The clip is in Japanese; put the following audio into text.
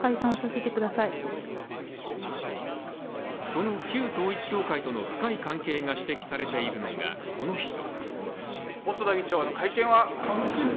その旧統一教会との深い関係が指摘されているのが、この人。